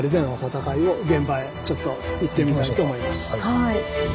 はい。